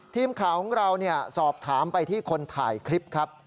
ทีมข่าวของเราสอบถามไปที่คนถ่ายคลิปครับ